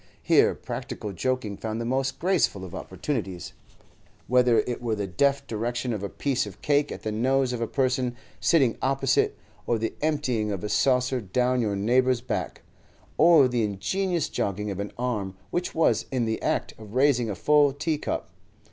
Here practical joking found the most graceful of opportunities, whether it were the deft direction of a piece of cake at the nose of a person sitting opposite, or the emptying of a saucer down your neighbour's back, or the ingenious jogging of an arm which was in the act of raising a full tea cup.